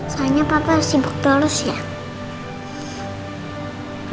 soalnya papa sibuk terus ya